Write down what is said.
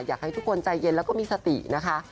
อยากให้ทุกคนใจเย็นแล้วก็มีสตินะคะ